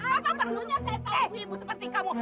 apa perlunya saya tahu ibu seperti kamu